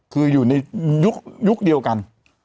คืออยู่ในยุคเดียวกัน